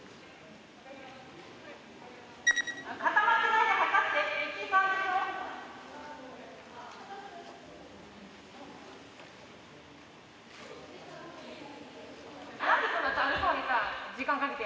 固まってないで測って。